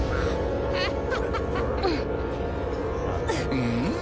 うん？